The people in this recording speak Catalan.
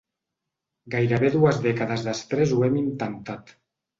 Gairebé dues dècades després ho hem intentat.